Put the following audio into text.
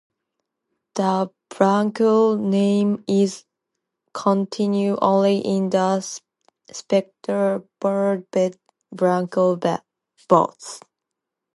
The Bronco name is continued only in the Squier-branded Bronco Bass.